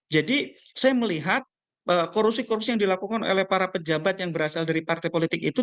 jadi saya melihat korupsi korupsi yang dilakukan oleh para pejabat yang berasal dari partai politik itu